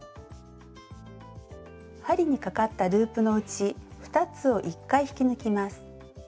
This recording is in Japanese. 針にかかったループのうち２つを１回引き抜きます。